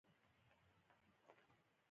د پښتنو په جرګه کې پریکړه وروستۍ وي.